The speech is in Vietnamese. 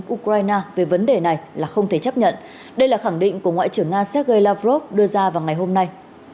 ukraine về vấn đề này là không thể chấp nhận đây là khẳng định của ngoại trưởng nga sergei lavrov đưa ra vào ngày hôm nay